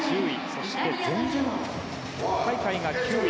そして前々大会で９位。